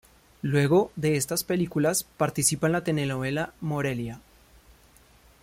Luego de estas películas, participa en la telenovela "Morelia".